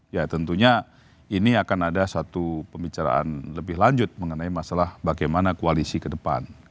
ya tentunya ini akan ada satu pembicaraan lebih lanjut mengenai masalah bagaimana koalisi ke depan